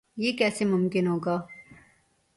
یہ کیسے ممکن ہو گا؟